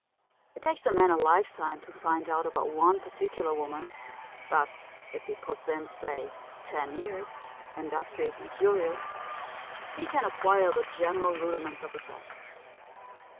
It takes a man a lifetime to find out about one particular woman; but if he puts in, say, ten years, industrious and curious, he can acquire the general rudiments of the sex.